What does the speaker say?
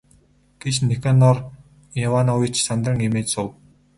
гэж Никанор Иванович сандран эмээж асуув.